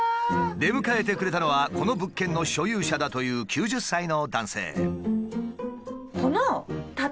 出迎えてくれたのはこの物件の所有者だという９０歳の男性。